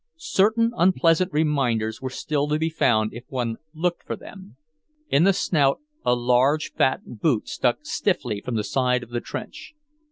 Certain unpleasant reminders were still to be found if one looked for them. In the Snout a large fat boot stuck stiffly from the side of the trench.